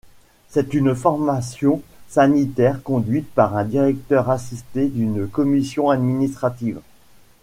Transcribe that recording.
C'est une formation sanitaire conduite par un directeur assisté d'une commission administrative.